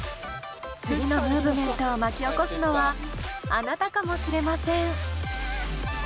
次のムーブメントを巻き起こすのはあなたかもしれません。